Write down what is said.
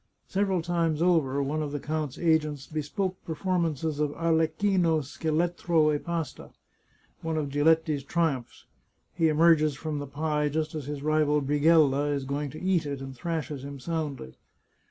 Several times over one of the count's agents bespoke performances of " Arlecchino schelettro e pasta," one of Giletti's triumphs (he emerges from the pie just as his rival Brighella is going to eat it, and thrashes him soundly).